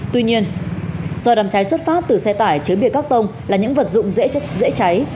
tuy nhiên do đám cháy xuất phát từ xe tải chứa bia các tông là những vật dụng dễ cháy